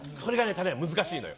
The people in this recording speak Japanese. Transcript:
難しいのよ。